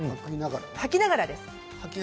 吐きながらです。